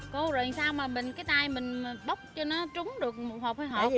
cô rồi sao mà cái tay mình bóc cho nó trúng được hột hay hột